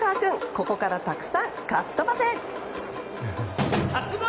ここからたくさんかっ飛ばせ！